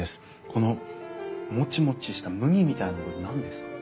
このもちもちした麦みたいなの何ですか？